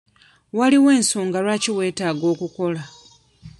Waliwo ensonga lwaki weetaaga okukola.